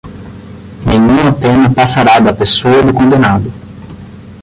nenhuma pena passará da pessoa do condenado